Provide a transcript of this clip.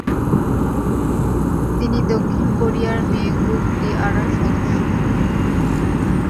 তিনি দক্ষিণ কোরিয়ার মেয়ে গ্রুপ টি-আরার সদস্য।